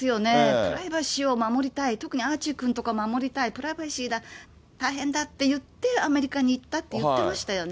プライバシーを守りたい、特にアーチーくんを守りたい、プライバシーだ、大変だっていって、アメリカに行ったって言ってましたよね。